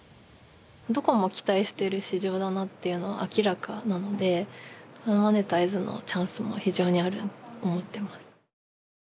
どこも期待してる市場だなというのは明らかなのでマネタイズのチャンスも非常にあると思ってます。